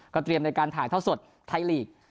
เตรียมในการถ่ายท่อสดไทยลีก